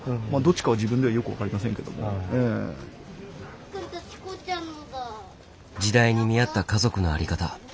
すごい！時代に見合った家族の在り方。